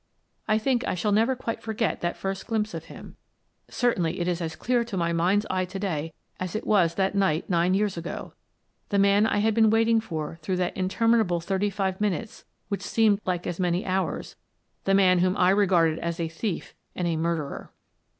I think I shall never quite forget that first glimpse of him; certainly it is as clear to my mind's eye to day as it was that night nine years ago — the man I had been waiting for through that intermi nable thirty five minutes which seemed like as many hours, the man whom I regarded as a thief and a murderer.